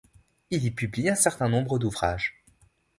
Il y publie un certain nombre d'ouvrages.